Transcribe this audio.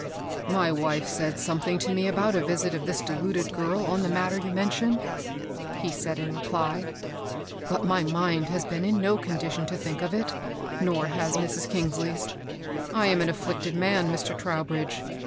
*^My wife said something to me about a visit of this deluded girl on the matter you men tion," he said in reply; ^^but my mind has been in no condition to think of it, nor has Mrs. Eongaley's. I am an afflicted man, Mr. Trowbridge.